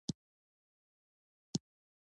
چې د خلکو غږ چپ کړي